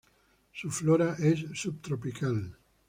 Su flora es subtropical.